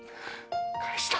返した。